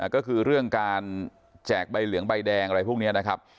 ก็คือเรื่องการแจกใบเหลืองใบแดงอะไรพวกนี้นะครับ